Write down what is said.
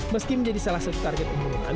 meski menjadi salah satu target pembunuhan